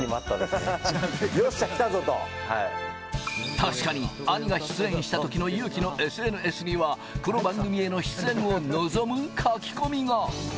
確かに兄が出演した時の有希のＳＮＳには、この番組への出演を望む書き込みが。